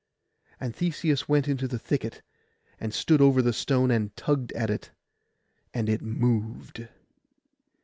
And Theseus went into the thicket, and stood over the stone, and tugged at it; and it moved.